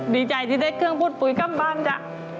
ดีใจที่ได้เครื่องพูดคุยกลับบ้านจ้ะ